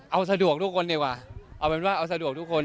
เอาสะดวกทุกคนดีกว่าเอาเป็นว่าเอาสะดวกทุกคน